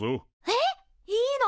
えっ！？いいの！？